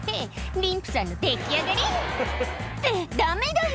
妊婦さんの出来上がり」ってダメだよ